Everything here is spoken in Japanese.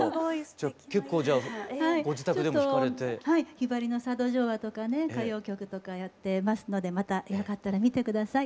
「ひばりの佐渡情話」とかね歌謡曲とかやってますのでまたよかったら見て下さい。